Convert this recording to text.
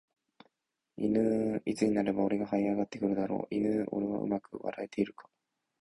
いぬーいつになれば俺は這い上がれるだろういぬー俺はうまく笑えているか